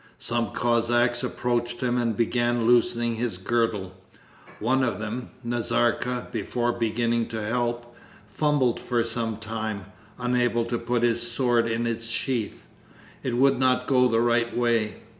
Some Cossacks approached him and began loosening his girdle. One of them, Nazarka, before beginning to help, fumbled for some time, unable to put his sword in its sheath: it would not go the right way.